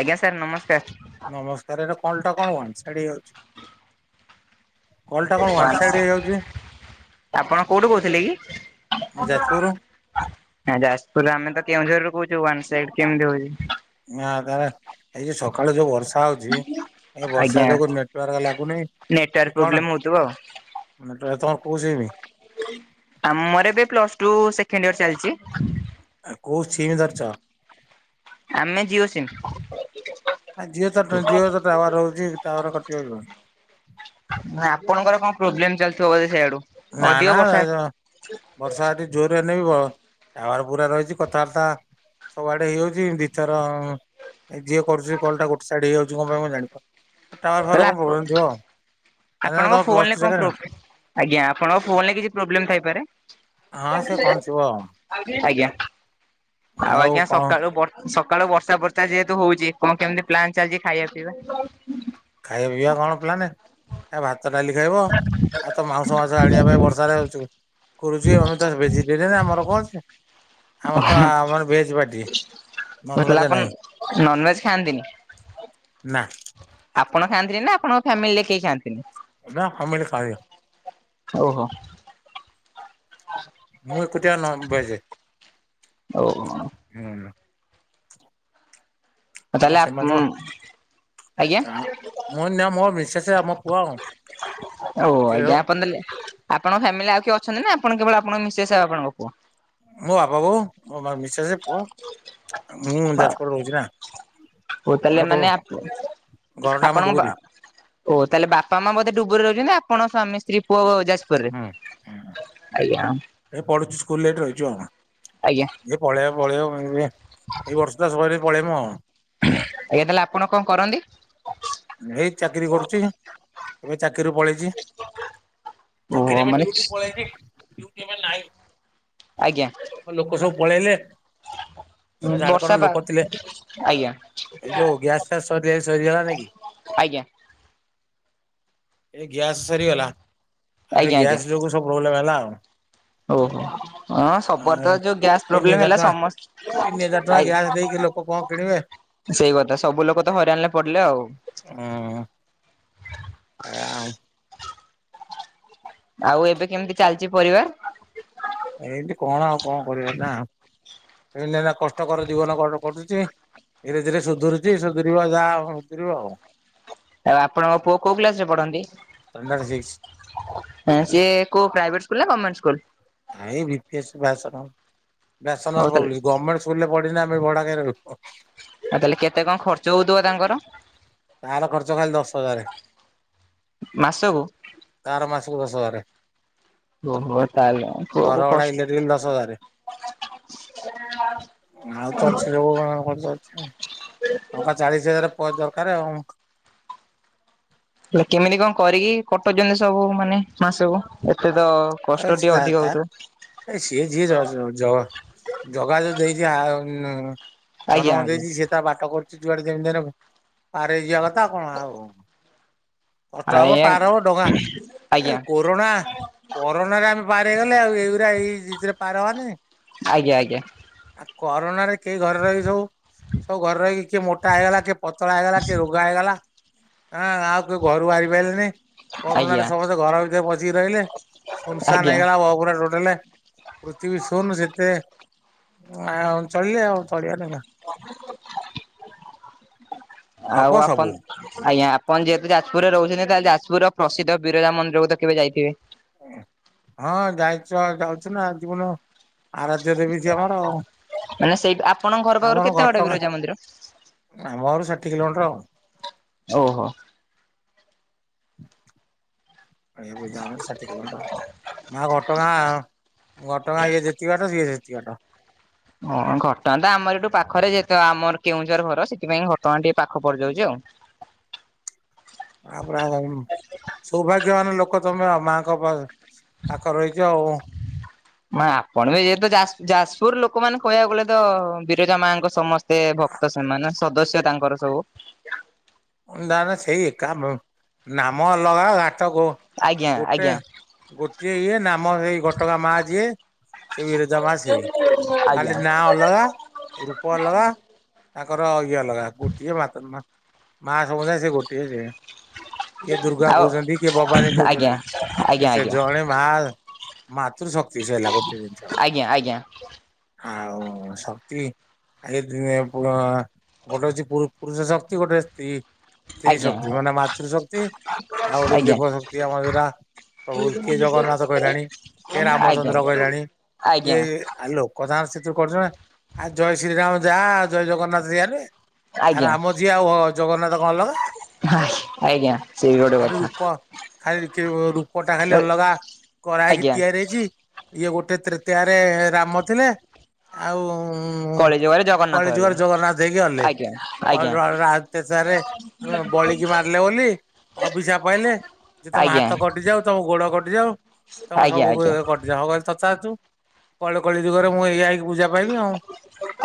ଆଜ୍ଞା ସାର୍ ନମସ୍କାର। ନମସ୍କାର, ଏ ରା କଣ କଲ ଟା କଣ ୱ। ନ୍‌ ସାରଡ ଯାଉଛି? କଲଟା କଣ ୱାନ୍ ସାଇଡ ହେଇଯାଉଚି? ଆପଣ କୋଉଠୁ କହୁଥିଲେ କି? ଆମ ଯାଜପୁରରୁ ଯାଜପୁରରେ ଆମେ ତ କେଉଁଝୋର ରୁ କହୁଛୁ, ୱାନ୍‌ସାଇଡ କେମିତି ହଉଛି। ନା ତାହେଲେ ଏଇ ଯୋଉ ସକାଳୁ ଯୋଉ ବର୍ଷା- କଥା ହଉଛି ଏ ବର୍ଷା ଆଜ୍ଞା। ଯୋଗୁ ନେଟୱାର୍କ ଲାଗୁନି ନେଟୱାର୍କ କି କଣ? ପ୍ରୋବ୍ଲେମ ହଉଥିବ ଆଉ [inaudible] ତମର କଉ ସିମ୍‌। ଆ ମୋର ଏବେ ପ୍ଲସ ଟୁ ସେକେଣ୍ଡ ଇୟର ଚାଲିଚି। ଆ କୋଉ ସିମ୍ ଧରିଚ? ଆମେ ଜିଓ ସିମ୍ [unintelligible] ଟାୱାର ରହୁଛି ଟାୱାର କଟିବନି ତ। ଆପଣଙ୍କର କଣ ପ୍ରୋବ୍ଲେମ ଚାଲିଥିବ ବୋଧେ ସେ ଆଡୁ। ନା ନା [unintelligible] ବର୍ଷା ଏଠି ଜୋରରେ [unintelligible] ଟାୱାର ପୁରା ରହିଛି କଥାବାର୍ତ୍ତା। ସବୁଆଡେ ହେଇଯାଉଛି ଦି ଥର, ଯିଏ କରୁଛି କଲଟା ଗୋଟେ ସାଇଡ ହେଇଯାଉଛି କଣ ପାଇଁ ମୁଁ ଜାଣି ପାରୁନି? ଟାୱାର ଫାର ତାହେଲେ ଆପ କଣ ପ୍ରୋବ୍ଲେମ ଥିବ, କାହିଁକି ନା ଆପଣଙ୍କ ତମ ପ୍ଲସ୍ ଫୋନରେ ଟୁ କଣ ପ୍ରୋ ସେକେଣ୍ଡ। ଆଜ୍ଞା, ଆପଙ୍କ ଫୋନ ରେ କିଛି ପ୍ରୋବ୍ଲେମ ଥାଇପାରେ? ହଁ, ସେ କଣ ଥିବ ଆଉ। ଆଜ୍ଞା, ଆଉ ଆଜ୍ଞା ସକାଳୁ ବର୍ ସକାଳୁ ବର୍ଷା ଫର୍ଷା ଯେହେତୁ ହଉଛି କଣ କେମିତି ପ୍ଲାନ୍ ଚାଲିଛି ଖାଇବା ପିଇବା? ଖାଇବା ପିଇବା କଣ ପ୍ଲାନ ଏ ଭାତ ଡାଲି ଖାଇବ ଆଉ ତ ମାଉଁସ ମାଉଁସ ଆଣିବା ପାଇଁ ବର୍ଷାରେ କରୁଚି ଆମେ ତ ଭେଜିଟେରିଆନ ଆମର କଣ ଅଛି। ଆମର ତ ଆମର ଭେଜ ପାଟି ନନ୍ ତାହେଲେ ଭେଜ ଆପଣ ନାହିଁ। ନନଭେଜ ଖାଆନ୍ତିନି? ନା। ଆପଣ ଖାଆନ୍ତିନି ନା ଆପଣଙ୍କ ଫ୍ୟାମିଲିରେ କେହି ଖାଆନ୍ତିନି? ନା ଫ୍ୟାମିଲି ଖାଇବ। ଓହୋ। [inaudible] ମୁଁ ଏକୁତିଆ ନନ୍ ଭେଜେ। ଓହୋ ନା ନା। ଆଉ ତାହେଲେ ଆପ୍ ଉଁ ଆଉ ମୁଁ କହିଲି ମୋ ମିସେସେ ଆଉ ମୋ ପୁଅ ଓ ଆଜ୍ଞା ଆପଣ ତାଲେ ଆପଣଙ୍କ ଫ୍ୟାମିଲିରେ ଆଉ କିଏ ଅଛନ୍ତି ନା ଆପଣ କେବଳ ଆପଣଙ୍କ ମିସେସ ଆଉ ଆପଣଙ୍କ ପୁଅ? ମୋ ବାପା ବୋଉ ମୋ ମିସେସେ ପୁଅ ମୁଁ ଯାଜପୁର ରହୁଚି ନା। ହଉ ତାହେଲେ ଆଉ ତୋ ମାନେ ଆପ୍ ଘରଟା ଆମ ଆପଣଙ୍କ ବା ଡୁବୁରି ଓ ତାହେଲେ ବାପା ମାଁ ବୋଧେ ଡୁବରରେ ରହୁଛନ୍ତି ଆପଣ ସ୍ଵାମୀ ସ୍ତ୍ରୀ ପୁଅ ଯାଜପୁରରେ? ହୁଁ ଆଜ୍ଞା। ଏ ପଢୁଛି ସ୍କୁଲରେ ଏଠି ରହିଚୁ ଆଉ। ଆଜ୍ଞା ଏ ପଳେଇବ ପଳେଇବ [inaudible] ଏଇ ବର୍ଷଟା ସରିଲେ ପଳେଇମୁ ଆଉ। ଆଜ୍ଞା ତାହେଲେ ଆପଣ କଣ କର ଏଇ ଚାକିରି କରୁଚି ଏବେ ଚାକିରୀରୁ ପଳେଇଚି। ଓହୋ ଚାକିରି ଏବେ ମାନେ ଡ୍ୟୁଟି ପଳେଇବି। ସିଏ ଏବେ ନାଇ। ଆଜ୍ଞା। ଆଉ ଲୋକ ସବୁ ପଳେଇଲେ। [inaudible] ସବୁ ଉଁ ଝାଡଖଣ୍ଡ ବର୍ଷା ପା ଲୋକ ଥିଲେ ଆଜ୍ଞା। ଏଇ ଯୋଉ ଗ୍ୟାସ ଫ୍ୟାସ ସରି ସରିଗଲା ନାଇଁ କି ଆଜ୍ଞା। ଏ ଗ୍ୟାସ୍ ସରିଗଲା ଆଉ ଏ ଆଜ୍ଞା ଆଜ୍ଞା ଗ୍ୟାସ ଯୋଗୁ ସବୁ ପ୍ରୋବ୍ଲେମ୍ ହେଲା ଆଉ। ଓହୋ। ହଁ ସବୁଆଡେ ଆଉ ତ ଯୋଉ ଗ୍ୟାସ୍ ତିନି ପ୍ରୋବ୍ଲେମ୍ ହଜାର ହେଲା ଟଙ୍କା ସମ ତିନି ହଜାର ଟଙ୍କା ଆଗି ଗ୍ୟାସ ଦେଇକି ଲୋକ କଣ କିଣିବେ ହୁଁ। ସେଇ କଥା ସବୁ ଲୋକ ତ ହଇରାଣ ରେ ପଡିଲେ ଆଉ। ଉଁ। [unintelligible] ଆଉ ଏବେ କେମିତି ଚାଲିଚି ପରିବା? ଏମିତି କଣ ଆଉ କଣ କରିବା ନା ଏମତି ଏଇନା କଷ୍ଟକର ଜୀବନ କଟ୍ କଟୁଚି। ଧୀରେ ଧୀରେ ସୁଧୁୁରୁଚି ସୁଧୁରିବ ଯାହା ସୁଧୁରିବ ଆଉ। ଆଉ ଆପଣଙ୍କ ପୁଅ କୋଉ କ୍ଲାସ ରେ ପଢନ୍ତି? Standard six. ଏଁ ସିଏ କୋଉ ପ୍ରାଇଭେଟ ସ୍କୁଲ୍ ନା ଗର୍ମେଣ୍ଟ ସ୍କୁଲ୍? ନାଇଁ ବି ପି ଏସ ବ୍ୟାସନଗର ହଉ ବ୍ୟାସନଗର ତାହେଲେ ପବ୍ଲିକ ଗର୍ମେଣ୍ଟ ସ୍କୁଲରେ ପଢିଲେ ଆମେ ଭଡ଼ା କାଇଁ ରହିବୁ? ଆଉ ତାହେଲେ କେତେ କଣ ଖର୍ଚ୍ଚ ହଉଥିବ ତାଙ୍କର? ତାର ଖର୍ଚ୍ଚ ଖାଲି ଦଶ ହଜାରେ ମାସକୁ? ତାର ମାସକୁ ଦଶ ହଜାରେ। ଓହୋ ତାହେଲେ ପୁଅକୁ ଘର ଭଡା କଷ୍ଟ ଇଲେକ୍ଟ୍ରିବିଲ୍ ଦଶ ହଜାରେ। [unintelligible] ଆଉ ତ ଅଛି ରୋଗ କଣ ଖର୍ଚ୍ଚ ଅଛି ଆଉ। ଟଙ୍କା ଚାଳିଶ ହଜାର, ପ ଦରକାର ଆଉ। ହେ କେମିତି କଣ କରିକି କଟଉଛନ୍ତି ସବୁ ମାନେ, ମାସକୁ ଏତେ ତ କଷ୍ଟ ଅ ଯ ଟିକେ [unintelligible] ଅଧିକ ହଉଥିବ। ତଝ ଜ ଜଗା ଯୋଉ ଦେଇଛି, ଆ ଅ ନୁ ଆଜ୍ଞା ଜନମ ଆଜ୍ଞା ଦେଇଛି ସେ ତା ବାଟ କରୁଛି, ଯୁଆଡେ ଯେମିତି ହେନେ ପାରେଇ ଯିବା କଥାଉ କଣ ଆଉ? କଟ ହବ, ଆଜ୍ଞା ପାର ହବ, ଡଙ୍ଗା ଏ ଆଜ୍ଞା କୋ୍ କରୁନା କରୋନାରେ ଆମେ ପାର ହେଇଗଲେ, ଆଉ ଏଇଗୁରା ଏଇରେ ପାର ହବାନି? ଆଜ୍ଞା ଆଜ୍ଞା। ଆ କରୋନାରେ କେହି ଘରେ ରହିକି ସବୁ, ସବୁ ଘରେ ରହିକ୍ କିଏ ମୋଟା ହେଇଗଲା, କିଏ ପତଳା ହେଇଗଲା, କିଏ ରୋଗା ହେଇଗଲା, ହାଁ ଆଉ କିଏ ଘରୁ ବାହାରି ପାଇଲେନି। କରୋନା ରେ ଆଜ୍ଞା ସମସ୍ତେ ଘର ଭିତରେ ପସିକି ରହିଲେ, ସୁନ୍ସାନ୍ ଆଜ୍ଞା। ହେଇଗଲା ଗା ଟୋଡଲା ପୃଥିବୀ ଶୁନୁ, ସେତେ ଆଉ ଚଳିଲେ ଆଉ। ଳିଆ [inaudible] ଆଉ ହବ ଆପଣ ସବୁ ଆଜ୍ଞା। ଆପଣ ଯେହେତୁ ଯାଜପୁରରେ ରହୁଛନ୍ତି, ତାହେଲେ ଯାଜପୁର ର ପ୍ରସିଦ୍ଧ ବିରଜା ମନ୍ଦିରକୁ ତ କେବେ ଯାଇଥିବେ? ହଁ ଯାଇଛୁ ଆ ଯାଉଛୁ ନା, ଜୀବନ ଆରାଧ୍ୟ ଦେବିଛି ଆମର ଆଉ। ମାନେ ସେଇ [unintelligible] ଆମର କେତେ ଘଟ ବାଟ ଟଙ୍କା ବିରଜା ମନ୍ଦିର? [inaudible] ଆମ ଘର ଷାଠିଏ କିଲୋମିଟର ଓହୋ। ଏ ବିଧାନ ସଠଖଲୁଣ୍ଡ [unintelligible] ମା ଘଟଗାଁ, ଘଟଗାଁ ଇଏ ଯେତିବାଟ ସିଏ ସେତିକି ବାଟ। ଓଁ ଘଟଣା ତ ଆମର ଏଠୁ ପାଖରେ ଯେହେତ ଆମର କେଉଁଝର ଘର, ସେଥିପାଇଁ ଘଟଣା ଟିକେ ପାଖ ପଡି ଯାଉଛି ଆଉ। ତାପ [unintelligible] ସୌଭାଗ୍ୟବାନ ଲୋକ ତମେ ଆ ମାଙ୍କ ପ୍ ପାଖ ରହିଛ ଆଉ। ମା ଆପଣ ବି ଯେହେତୁ ଯାସ୍ ଯାଜପୁର ଲୋକମାନେ କହିବାକୁ ଗଲେ ତ, ବିରଜା ମାଙ୍କ ସମସ୍ତେ ଭକ୍ ତ ସେମାନେ ସଦସ୍ୟ, ତାଙ୍କର ସବୁ। ନା ନା ସେଇା ଏକ ମ୍ ନାମ ଅଲଗା ଘା ତ ଗୋ ଆଜ୍ଞା ଗୋଟେ ଆଜ୍ଞା ଗୋଟିଏ ଇଏ ନାମ ସେଇ, ଘଟଗା ମା ଯିଏ। ସେ ବିରଜା ମା ସେଇ, ଆଜ୍ଞା ଖାଲି ନା ଅଲଗା, ରୂପ ଅଲଗା। ତାଙ୍କର ଇଏ ଅଲଗା, ଗୋଟିଏ ମାତ ମା ମା ସବୁ ସେ, ସେ ଗୋଟିଏ ସେ। କିଏ ଦୁର୍ଗା ଆଉ କହୁଛନ୍ତି, କିଏ ଭବାନୀ ଆଜ୍ଞା କହୁଛନ୍ତି, ଆଜ୍ଞା ସେ ଜଣେ ମା ମାତୃ ଶକ୍ତି ସେ ହେଲା ଗୋଟିଏ ଜିନିଷ। ଆଜ୍ଞା। ଆଉ ଶକ୍ତି ଆ ଦିନ ଗୋଟେ ଅଛି ପୁରୁଷ ଶକ୍ତି ଗୋଟେ ଆସିଛି [unintelligible] ଆଜ୍ଞା ଆଜ୍ଞା ଆଜ୍ଞା ସ୍୍ରିଶକ୍ତି ମାନେ ମାତୃଶକ୍ତି ଆଉ ଗୋଟେ ଆଜ୍ଞା ଦେବ ଶକ୍ତି ଆମା ପ୍ରଭୁ କିଏ ଜଗନ୍ନାଥ କହିଲାଣି, କିଏ ରାମଚନ୍ଦ୍ର କହିଲାଣି, ଆଜ୍ଞା କିଏ ଆ ଲୋକ ତାନ୍ ସେତୁରୁ କରଛନ୍ତି। ଆଉ ଜୟ ଶ୍ରୀରାମ ଯା, ଜୟ ଜଗନ୍ନାଥ ସେଇଆ ନୁହେଁ? ଆରେ ଆଜ୍ଞା। ରାମ ଯିଏ, ଆଉ ଜଗନ୍ନାଥ କଣ ଅଲଗା? ଆଜ୍ଞା ଆଜ୍ଞା ସେ ବି [inaudible] ଗୋଟେ ଖାଲି କଥା ରୂପ, ଖାଲି କେଏ ରୁପଟା ଖାଲି ଅଲଗା କରାହେଇକି ଆଜ୍ଞା। ତିଆର୍ ହେଇଚି, ଇଏ ଗୋଟେ ତୃତୀୟାରେ, ରାମ ଥିଲେ। ଆଉ ଉଁ ଉଁ କଳି ଯୁଗରେ ଜଗନ୍ନାଥ କଳି ହେଲେ ଯୁଗରେ ଜଗନ୍ନାଥ ହେଇକି ଗଲେ ଆଜ୍ଞା କ ଆଜ୍ଞା [unintelligible] ସାରେ ବଳିକି ମାରିଲେ ବୋଲି, ଅଭିଶା ପାଇଲେ। ଯେ ତମେ ଆଜ୍ଞା ହାତ କଟିଯାଉ, ତମ ଗୋଡ କଟିଯାଉ, ତମେ ଆଜ୍ଞା ସବୁ ଆଜ୍ଞା ଅଅ କ୍ ଯାହାହୋଉ ତଥାସ୍ତୁ କଳି କଳି ଦୁଗରେ ମୁଁ ଏଇକି ପୂଜା ପାଇଁ ମି ଆଉ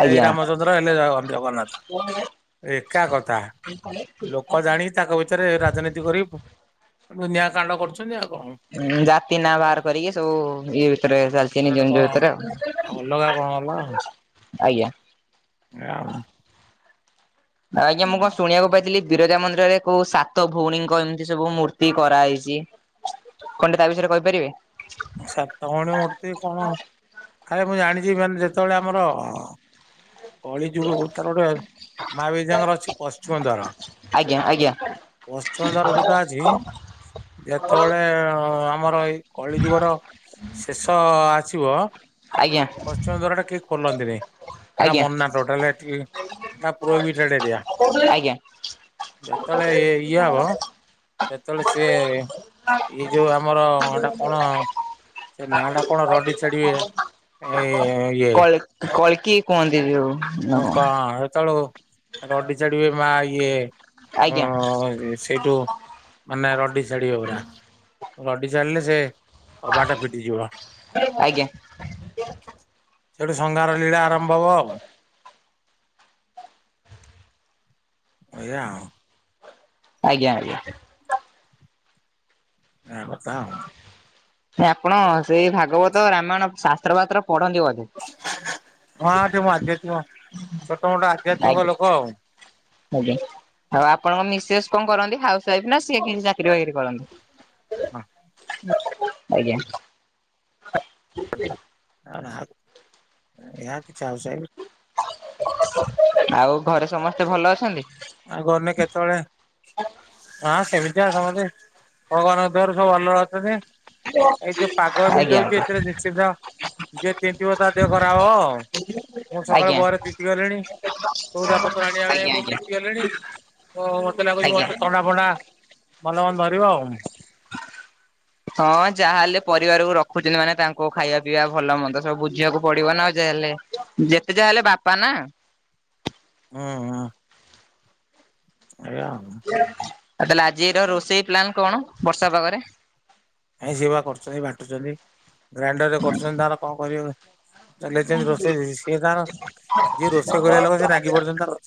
ସେଇ ରାମଚନ୍ଦ୍ର ହେଲେ ଜଗନ୍ନାଥ ଏକା କଥା। ତାହା ଲୋକ ଜାଣି ତାଙ୍କ ଭିତରେ ରାଜନୀତି କରି ଦୁନିଆ କାଣ୍ଡ କରୁଛନ୍ତି ଆଉ କଣ। ଉଁ ଜାତି ନା ଏଇଆ ବାହାର କରିକି ସବୁ ଇଏ ଭିତରେ ଚାଲିଛି ନହେଲେ ନିଜ କଣ ନିଜ ଭିତରେ ଆଉ। ଅଲଗା କଣ ଅଲଗା। ଆଜ୍ଞା ଏଇଆ ଆଉ। ଆଜ୍ଞା ମୁଁ କଣ ଶୁଣିବାକୁ ପାଇଥିଲି। ବିରଜା ମନ୍ଦିରରେ କୋଉ ସାତ ଭଉଣୀଙ୍କ ଏମିତି ସବୁ ମୂର୍ତ୍ତି କରାହେଇଛି। କଣ ଟିକେ ତା ବିଷୟରେ କହିପାରିବେ। ସାତ ଭାଇଣୀ ମୂର୍ତ୍ତି କଣ? ମୁଁ ଜାଣିଛି ମାନେ ଯେତେବେଳେ ଆମର କଳି ଯୁଗ ଗୋତାର ଗୋଟେ ମା ବିରଜାଙ୍କର ଅଛି ପଶ୍ଚିମ ଦ୍ୱାର। ଆଜ୍ଞା ଆଜ୍ଞା ପଶ୍ଚିମ ଦ୍ୱାର ଯୋଉଟା ଅଛି ଯେତେବେଳେ ଆମର ଏଇ କଳି ଯୁଗର ଶେଷ ଆସିବ ଯୋଉ ଆଜ୍ଞା। ପଶ୍ଚିମ ଦ୍ୱାର ଟା କେହି ଖୋଲନ୍ତିନି। ସେଟା ଆଜ୍ଞା ମନା ଟୋଟାଲି ସେଠିକି ସେଇଟା ପ୍ରୋହିବିଟେଡ୍ ଏରିଆ। ଆଜ୍ଞା। ଯେତେବେଳେ ଏ ଇଏ ହବ। ସେତେବେଳେ ସିଏ ଏଇ ଯୋଉ ଆମର ଟା ହଁ ସେ ନା ଟା କଣ ରଡି ଛାଡିବେ ଏ ଇଏ କଳ୍କୀ କୁହନ୍ତି ଯୋଉ ନା କଣ। ହଁ ସେତେବେଳକୁ ରଡି ଛାଡିବେ ମା ଇଏ ଆଜ୍ଞା ଅ ସେଇଠୁ ମାନେ ରଡି ଛାଡିବେ ପୁରା ରଡି ଛାଡିଲେ ସେ କବାଟା ଫିଟିଯିବ। ଆଜ୍ଞା। ସେଇଠୁ ସଂଘାର ଲୀଳା ଆରମ୍ଭ ହବ ଆଉ। [inaudible] ଏଇଆ ଆଉ। ଆଜ୍ଞା ଆଜ୍ଞା। ଏଇଆ କଥା ଆଉ। ଆପଣ ସେଇ ଭାଗବତ ରାମାୟଣ ଶାସ୍ତ୍ର ବାତ୍ର ପଢନ୍ତି ବୋଧେ। ହଁ ଟିକେ ମୁଁ ଆଧ୍ୟାତ୍ମିକ ଛୋଟ ମୋଟ ଆଧ୍ୟାତ୍ମିକ ଆଜ୍ଞା। ଲୋକ ଆଉ। ଆଜ୍ଞା ଆଉ ଆପଣଙ୍କ ମିସେସ୍ କଣ କରନ୍ତି ହାଉସ ୱାଇଫ ନା ସିଏ କିଛି ଚାକିରି ବାକିରି କରନ୍ତି? ଆଜ୍ଞା। ହ [inaudible] [unintelligible] ଆଉ ଘରେ ସମସ୍ତେ ଭଲ ଅଛନ୍ତି? ଆଉ ଗନେ କେତେବେଳେ ହଁ ସେମିତିଆ ସମତେ ଭଗବାନଙ୍କ ଦୟାରୁ ସବୁ ଭଲରେ ଅଛନ୍ତି। ଏଇ ଯୋଉ ପାଗ ଏମିତି ଆଜ୍ଞା ହଉଛି ଏଥିରେ ନିଶ୍ଚିନ୍ତ ଯିଏ ତିନ୍ତିବ ତା ଦେହ ଖରାପ ହବ ଆଉ। ମୁଁ ସକାଳେ ଆଜ୍ଞା। ବହରେ ତିନ୍ତି ଗଲିଣି ସଉଦାପତ୍ର ଆଣିବାକୁ ଯାଇ ଆଜ୍ଞା ମୁଁ ଆଜ୍ଞା। ତିନ୍ତି ଗଲିଣି ତ ମତେ ଲାଗୁଛି ଆଜ୍ଞା। ମତେ ଥଣ୍ଡା ଫଣ୍ଡା ଭଲ ମନ୍ଦ ଧରିବ ଆଉ। ହଁ ଯାହାହେଲେ ପରିବାରକୁ ରଖୁଛନ୍ତି ମାନେ ତାଙ୍କୁ ଖାଇବା ପିଇବା ଭଲ ମନ୍ଦ ସବୁ ବୁଝିବାକୁ ପଡିବ ନା ଆଉ ଯାହାହେଲେ ଯେତେ ଯାହା ହେଲେ ବାପା ନା। ହୁଁ ହୁଁ। ଆଜ୍ଞା। ଆଉ ତାହେଲେ ଆଜିର ରୋଷେଇ ପ୍ଲାନ କଣ ବର୍ଷା ପାଗରେ। କାଇଁ ସିଏବା କରୁଛନ୍ତି ବା ବାଣ୍ଟୁଛନ୍ତି। ଗ୍ରାଇଣ୍ଡର ରେ କରୁଛନ୍ତି ତାଙ୍କର କଣ କରିବେ ଚଲେଇଛନ୍ତି ରୋଷେଇ ସିଏ ତାଙ୍କର ଯିଏ ରୋଷେଇ କରିବା ଲୋକ ସେ ନାଗିପଡ଼ିଛନ୍ତି ତାଙ୍କର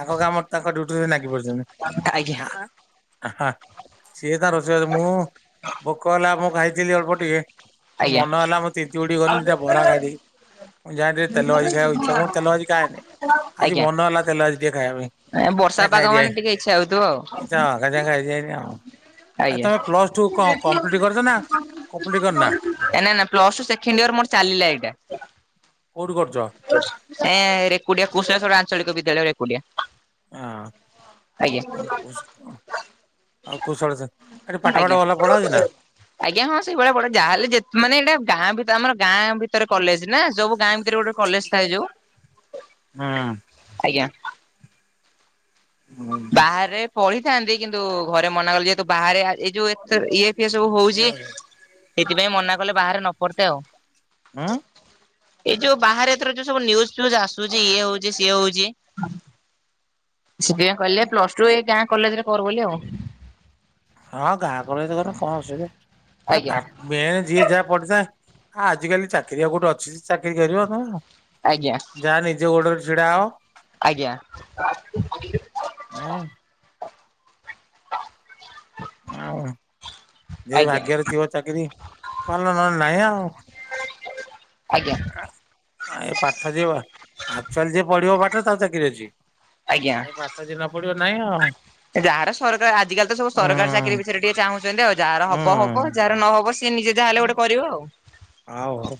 ତାଙ୍କ କାମରେ ତାଙ୍କ ଡ୍ୟୁଟିରେ ନାଗି ପଡିଛନ୍ତି। ଆଜ୍ଞା ଆ ହା ସିଏ ତାର ରୋଷେଇବାସ ମୁଁ ଭୋକ ହେଲା ମୁଁ ଖାଇଥିଲି ଅଳ୍ପ ଟିକେ ପୁଣି ଆଜ୍ଞା ମନ ହେଲା ମୁଁ ତିନ୍ତିଗୁଡ଼ି ଗଲି ଦିଟା ବରା ଖାଇଦେଇ ମୁଁ ଯାଏଁ ଟିକେ ତେଲ ଭାଜି ଖାଇବା ଇଚ୍ଛା। ମୁଁ ତେଲ ଭାଜି ଖାଏନି, ଆଜି ଆଜ୍ଞା। ମନ ହେଲା ତେଲ ଭାଜି ଦିଏ ଖାଇବା ପାଇଁ, ବର୍ଷା ଟିକେ ପାଗ ଖାଇ ମାନେ ଦେଇଆଇଲି ଟିକେ ଇଚ୍ଛା ହଉଥିବ ଆଉ ଇଚ୍ଛା ହେଲା ଦିଟା ଖାଇଦେଇ ଆଇଲି ଆଉ ଆ ତମେ ପ୍ଲସ ଟୁ କଣ କମ୍ପ୍ଲିଟ କରିଛ ନା? କମ୍ପ୍ଲିଟ କରିନା ନାଁ ନାଁ ପ୍ଲସ ଟୁ ସେକେଣ୍ଡ ଇୟର ମୋର ଚାଲିଲା ଏଇଟା। କୋଉଠୁ କରୁଛ? ଏ ରେକୁଡିଆ କୁଶଳେଶ୍ୱର ଆଞ୍ଚଳିକ ବିଦ୍ୟାଳୟ ରେକୁଡିଆ ହଁ। ଆଜ୍ଞା ଆଉ କୁଶଲେଶ୍ୱର ଏଠି ପାଠ ଆଜ୍ଞା। ଫାଠ ଭଲ ପଢାହଉଛି ନା? ଆଜ୍ଞା ହଁ ସେଇଭଳିଆ, ତାହାହେଲେ ଯେ ମାନେ ଇଟା ଗାଁ ଭିତରେ ଆମର ଗାଁ ଭିତ କଲେଜ ନା ସବୁ ଗାଁ ଭିତରେ ଗୋଟେ କଲେଜ ଥାଏ ଯୋଉ, ହୁଁ ଆଜ୍ଞା ବାହାରେ ପଢିଥାନ୍ତି କିନ୍ତୁ ଘରେ ମନା କଲେ ଯେହେତୁ ବାହାରେ ଏଇ ଯୋଉ ଏ ଇଏ ଏ ସବୁ ହଉଛି, ସେଥିପାଇଁ ମନା କଲେ ବାହାରେ ନ ପଡତେ ଆଉ ହୁଁ ଏଇ ଯୋଉ ବାହାରେ ଏଥର ଯୋଉ ସବୁ ନିୟୁଜୁ ଫି୍ୟୁଜୁ ଆସୁଛି ଇଏ ହଉଛି ସିଏ ହଉଛି। ସେଇଆ କହିଲେ ପ୍ଲସ ଟୁ ଏ ଗାଁ କଲେଜରେ କର ବୋଲି ଆଉ। ହଁ ଗାଁ ଗହଳି ରେ କଲେ କଣ ଅସୁବିଧା, ଏ ଆଜ୍ଞା ପାଠ ମେ ଯିଏ ଯାହା ପଢିଥାଏ। ଆଜିକାଲି ଚାକିରିଆ କୋଉଠି ଅଛି ଯେ ଚାକିରି କରିବ ତମେ ଆଉ ଆଜ୍ଞା। ଯାହା ନିଜ ଗୋଡରେ ଛିଡା ହ ଆଜ୍ଞା। ମେ ଆଉ ଯଦି ଆଜ୍ଞା ଭାଗ୍ୟରେ ଥିବ ଚାକିରି କଣ ନହେଲେ ନାଇଁ ଆଉ ଆଜ୍ଞା। ଏ ପାଠ ଯିଏ ଆଚୁଆଲି ଯିଏ ପଢିବ ପାଠ ତାକୁ ଚାକିରି ଅଛି। ଆଜ୍ଞା ଆରେ ପାଠ ଯିଏ ନ ପଢିବ ନାଇଁ ଆଉ ଯାହାର ସରକାର ଆଜିକାଲି ତ ସବୁ ହୁଁ ସରକାରି ଚାକିରି ବିଷୟରେ ଟିକେ ଚାହୁଁଛନ୍ତି ଆଉ, ଯାହାର ହବ ହବ ହୁଁ। ଯାହାର ନହବ ସି ସେ ନିଜେ ଯାହାହେଲେ ହଉ ଗୋଟେ କରିବ ଆଉ ହଉ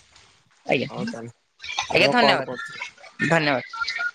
ଆଜ୍ଞା। ହଉ ତାହେଲେ ଆଜ୍ଞା, ରୁହ କଲ୍ କରୁଛି। ଧନ୍ୟବାଦ ଧନ୍ୟବାଦ